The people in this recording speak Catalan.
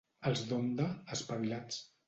Els d'Onda, espavilats.